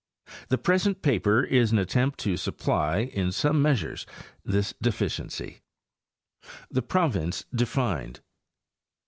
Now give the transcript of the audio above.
The present paper is an attempt to supply in some measure this deficiency. THE PROVINCE DEFINED.